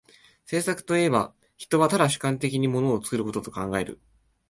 製作といえば、人は唯主観的に物を作ることと考える。